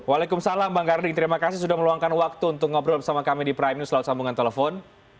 waalaikumsalam bang karding terima kasih sudah meluangkan waktu untuk ngobrol bersama kami di prime news lewat sambungan telepon